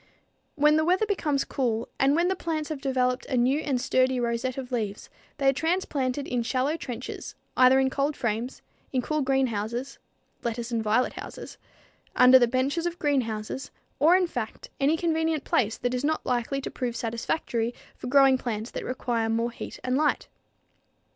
When the weather becomes cool and when the plants have developed a new and sturdy rosette of leaves, they are transplanted in shallow trenches either in cold frames, in cool greenhouses (lettuce and violet houses), under the benches of greenhouses, or, in fact, any convenient place that is not likely to prove satisfactory for growing plants that require more heat and light.